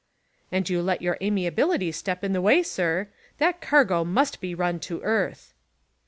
"And you let your amiability step in the way, sir. That cargo must be run to earth."